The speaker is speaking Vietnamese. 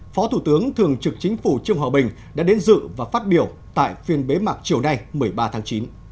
phó thủ tướng thường trực chính phủ trương hòa bình đã đến dự và phát biểu tại phiên bế mạc chiều nay một mươi ba tháng chín